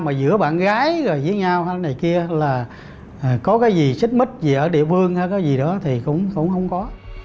mà giữa bạn gái rồi với nhau hay này kia là có cái gì xích mít gì ở địa phương hay cái gì đó thì cũng không có